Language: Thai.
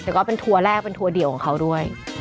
แต่ก็เป็นทัวร์แรกเป็นทัวร์เดี่ยวของเขาด้วย